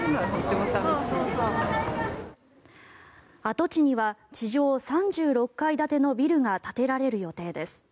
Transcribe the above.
跡地には地上３６階建てのビルが建てられる予定です。